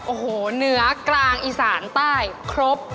โอ้โหเหนือกลางอีสานใต้ครบ